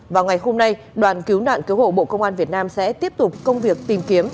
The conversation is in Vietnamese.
vào ngày hôm nay đoàn cứu nạn cứu hộ bộ công an việt nam sẽ tiếp tục công việc tìm kiếm